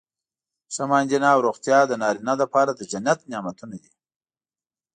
ښه ماندینه او روغتیا د نارینه لپاره د جنت نعمتونه دي.